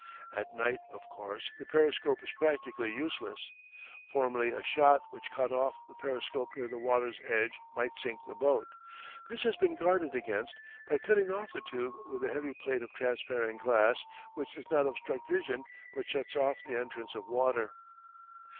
At night, of course, the periscope is practically useless. Formerly a shot which cut off the periscope near the water's edge might sink the boat. This has been guarded against by cutting off the tube with a heavy plate of transparent glass which does not obstruct vision but shuts off the entrance of water.